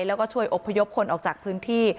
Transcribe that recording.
แล้วก็ช่วยอบพยพคนออกจากพื้นที่